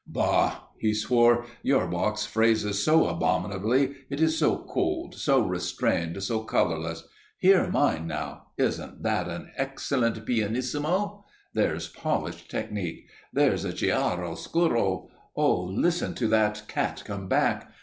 "Bah!" he swore, "your box phrases so abominably. It is so cold, so restrained, so colourless! Hear mine, now isn't that an excellent pianissimo? There's polished technique! There's chiaro scuro! Oh, listen to that 'Cat Came Back!